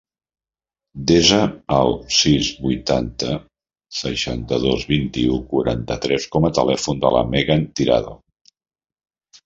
Desa el sis, vuitanta, seixanta-dos, vint-i-u, quaranta-tres com a telèfon de la Megan Tirado.